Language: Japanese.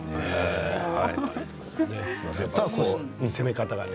攻め方がね